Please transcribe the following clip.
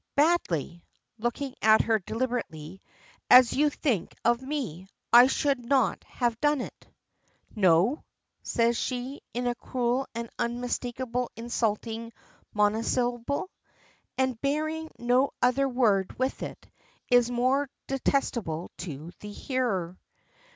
Badly," looking at her deliberately, "as you think of me, I should not have done it." "No?" says she. It is a cruel an unmistakable insulting monosyllable. And, bearing no other word with it is the more detestable to the hearer.